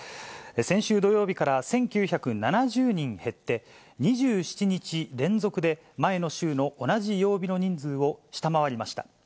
先週土曜日から１９７０人減って、２７日連続で前の週の同じ曜日の人数を下回りました。